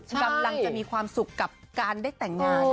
กำลังจะมีความสุขกับการได้แต่งงาน